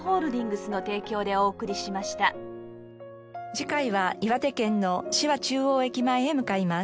次回は岩手県の紫波中央駅前へ向かいます。